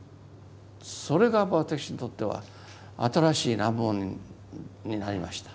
それが私にとっては新しい難問になりました。